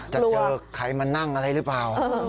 จะเจอใครมานั่งอะไรหรือเปล่า